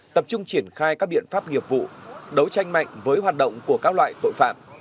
tập trung triển khai các biện pháp nghiệp vụ đấu tranh mạnh với hoạt động của các loại tội phạm